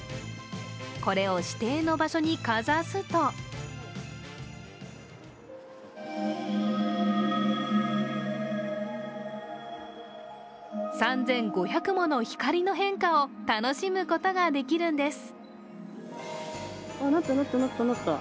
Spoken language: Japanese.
これを指定の場所にかざすと３５００もの光の変化を楽しむことができるんです。